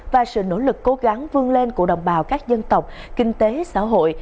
và sự nỗ lực cố gắng vươn lên của đồng bào các dân tộc kinh tế xã hội